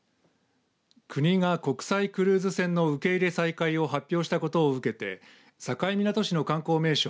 国が国際クルーズ船の受け入れ再開を発表したことを受けて境港市の観光名所